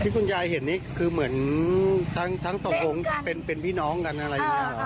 คุณยายเห็นนี่คือเหมือนทั้งตกลงเป็นพี่น้องกันอะไรอย่างนี้เหรอ